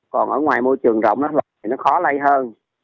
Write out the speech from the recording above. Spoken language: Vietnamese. còn ở ngoài môi trường rộng thì nó khó lây hơn